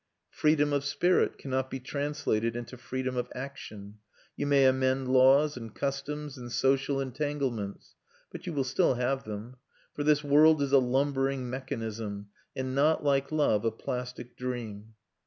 Freedom of spirit cannot be translated into freedom of action; you may amend laws, and customs, and social entanglements, but you will still have them; for this world is a lumbering mechanism and not, like love, a plastic dream.